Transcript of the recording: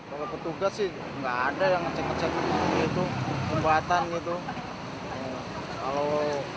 kalau petugas sih nggak ada yang ngecek ngecek itu jembatan gitu